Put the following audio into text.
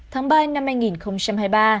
tháng ba năm hai nghìn hai mươi ba